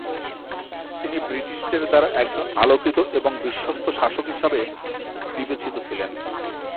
তিনি ব্রিটিশদের দ্বারা একজন আলোকিত এবং বিশ্বস্ত শাসক হিসাবে বিবেচিত ছিলেন।